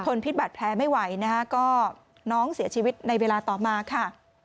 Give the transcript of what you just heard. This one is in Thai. พิษบัตรแผลไม่ไหวนะคะก็น้องเสียชีวิตในเวลาต่อมาค่ะ